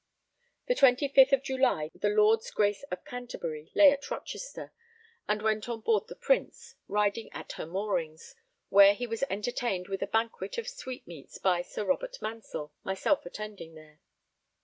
The 25th of July, the Lord's Grace of Canterbury lay at Rochester, and went on board the Prince, riding at her moorings, where he was entertained with a banquet of sweetmeats by Sir Robert Mansell, myself attending there.